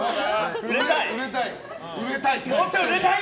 売れたい！